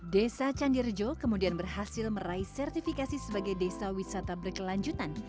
desa canggirjo kemudian berhasil meraih sertifikasi sebagai desa wisata berkelanjutan